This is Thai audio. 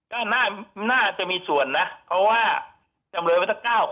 ก็น่าน่าจะมีส่วนนะเพราะว่าจำเลยไปตั้งเก้าคนอ่ะอ่า